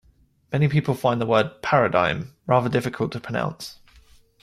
Many people find the word paradigm rather difficult to pronounce